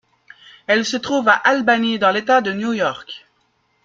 Elle se trouve à Albany dans l'État de New York.